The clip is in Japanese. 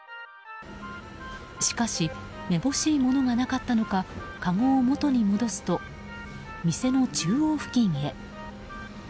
しかしめぼしいものがなかったのかかごをもとに戻すと店の中央付近へ。